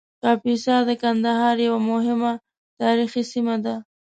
کاپیسا د ګندهارا یوه مهمه تاریخي سیمه وه